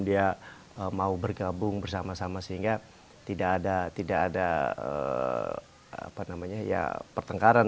dia mau bergabung bersama sama sehingga tidak ada pertengkaran